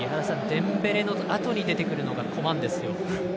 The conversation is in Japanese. デンベレのあとに出てくるのがコマンですよ。